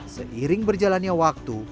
seiring berjalannya waktu